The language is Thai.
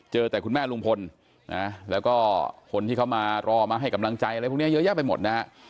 เจอแต่คุณแม่ลุงพลนะแล้วก็คนที่เขามารอมาให้กำลังใจอะไรพวกนี้เยอะแยะไปหมดนะฮะ